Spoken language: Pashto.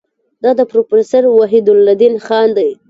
دا د پروفیسور وحیدالدین خان دی.